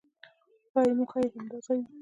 ښایي موخه یې همدا ځای وي.